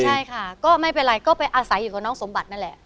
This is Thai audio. ใช่ค่ะก็ไม่เป็นไรก็ไปอาศัยอยู่กับน้องสมบัตินั่นแหละ